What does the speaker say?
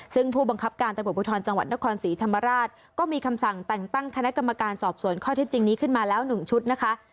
ซึ่งผู้บังคับการตำรวจภูทรจังหวัดนครศรีธรรมราชก็มีคำสั่งแต่งตั้งคณะกรรมการสอบสวนข้อเท็จจริงนี้ขึ้นมาแล้ว๑ชุดนะคะ